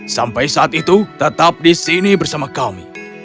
sampai saat itu tetap di sini bersama kami